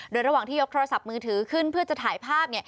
โดยระหว่างที่ยกโทรศัพท์มือถือขึ้นเพื่อจะถ่ายภาพ